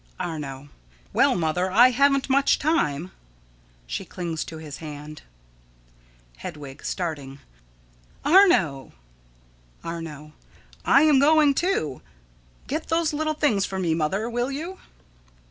_] Arno: Well, Mother, I haven't much time. [She clings to his hand.] Hedwig: [Starting.] Arno! Arno: I am going, too. Get those little things for me, Mother, will you?